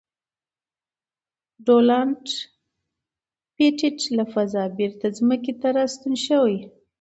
ډونلډ پېټټ له فضا بېرته ځمکې ته راستون شوی.